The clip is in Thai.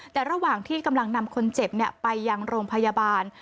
แต่ระหว่างที่กำลังนำคนเจ็บไปยังโรงพยาบาล